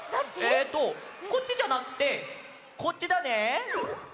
えっとこっちじゃなくてこっちだね！